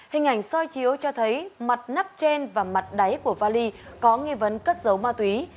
hình ảnh soi chiếu cho thấy mặt nắp trên và mặt đáy của vali có nghi vấn cất dấu ma túy